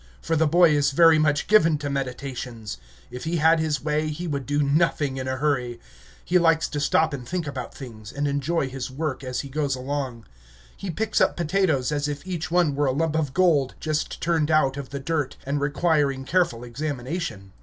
For the boy is very much given to meditations. If he had his way, he would do nothing in a hurry; he likes to stop and think about things, and enjoy his work as he goes along. He picks up potatoes as if each one were a lump of gold just turned out of the dirt, and requiring careful examination.